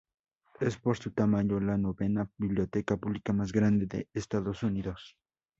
Es por su tamaño la novena biblioteca pública más grande de Estados Unidos.